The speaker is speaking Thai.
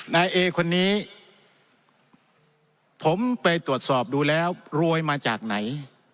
นายเอคนนี้ผมไปตรวจสอบดูแล้วรวยมาจากไหน